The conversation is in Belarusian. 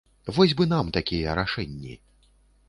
Вось бы нам такія рашэнні!